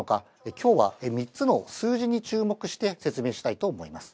きょうは３つの数字に注目して説明したいと思います。